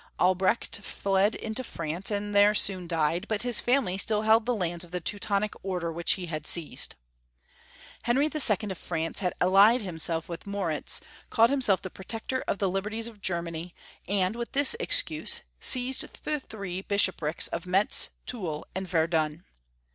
Albrecht fled into France, and there soon died, but liis family still held the lands of the Teutonic order Avhich he had seized. Henry II. of France had allied himself with Moritz, called himself the Protector of the Liberties of Germany, and, Avith this excuse, seized the tliree Bishoprics of Metz, Toul, and Verdun.